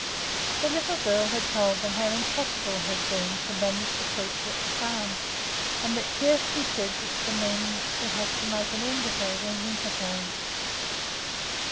The little girl had told them how impossible it had been to manage the creature at the farm, and that Kjersti had said the men would have to make an end of her when winter came.